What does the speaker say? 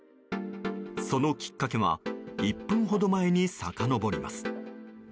そのきっかけは１分ほど前にさかのぼります。